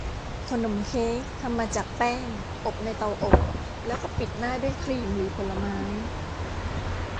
ขนมเค้กทำมาจากแป้ง อบในเตาอบ แล้วก็ปิดหน้าด้วยครีมหรือผลไม้